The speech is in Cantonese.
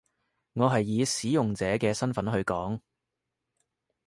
我係以使用者嘅身分去講